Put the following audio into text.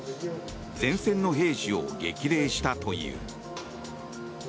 前線の兵士を激励したという。